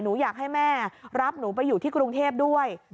อยากให้แม่รับหนูไปอยู่ที่กรุงเทพด้วย